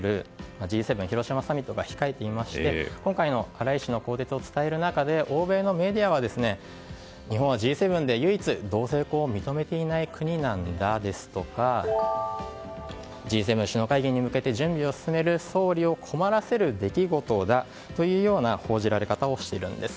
Ｇ７広島サミットが控えていまして今回の荒井氏の更迭を伝える中で欧米のメディアは日本はＧ７で唯一同性婚を認めていない国だとかＧ７首脳会議に向けて準備を進める総理を困らせる出来事だというような報じられ方をしているんです。